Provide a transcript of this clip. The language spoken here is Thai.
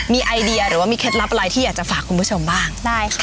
มีไอเดียหรือว่ามีเคล็ดลับอะไรที่อยากจะฝากคุณผู้ชมบ้างได้ค่ะ